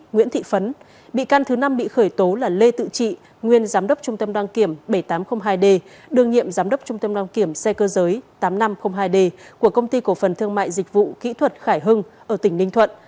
nguyễn thị phấn bị can thứ năm bị khởi tố là lê tự trị nguyên giám đốc trung tâm đăng kiểm bảy nghìn tám trăm linh hai d đương nhiệm giám đốc trung tâm đăng kiểm xe cơ giới tám nghìn năm trăm linh hai d của công ty cổ phần thương mại dịch vụ kỹ thuật khải hưng ở tỉnh ninh thuận